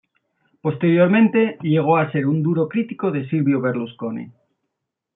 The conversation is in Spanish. Posteriormente, llegó a ser un duro crítico de Silvio Berlusconi.